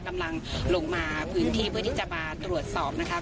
กำลังลงมาพื้นที่เพื่อที่จะมาตรวจสอบนะคะ